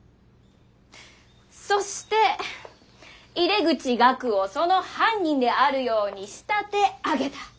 そして井出口岳をその犯人であるように仕立て上げた。